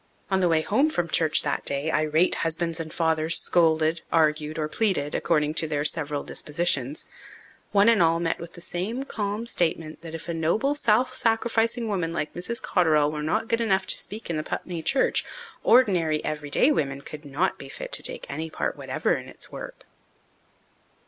On the way home from church that day irate husbands and fathers scolded, argued, or pleaded, according to their several dispositions. One and all met with the same calm statement that if a noble, self sacrificing woman like Mrs. Cotterell were not good enough to speak in the Putney church, ordinary, everyday women could not be fit to take any part whatever in its work.